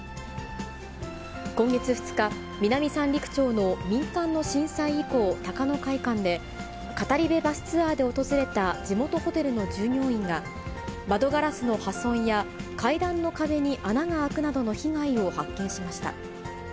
今月２日、南三陸町の民間の震災遺構、高野会館で、語り部バスツアーで訪れた地元ホテルの従業員が、窓ガラスの破損や階段の壁に穴が開くなどの被害を発見しました。